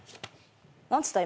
何つった？